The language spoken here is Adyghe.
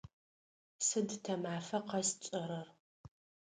Сыда тэ мафэ къэс тшӏэрэр?